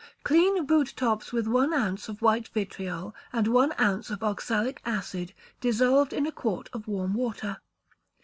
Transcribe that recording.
Clean boot tops with one ounce of white vitriol, and one ounce of oxalic acid dissolved in a quart of warm water.